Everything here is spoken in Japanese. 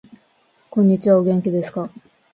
こんにちは。お元気ですか。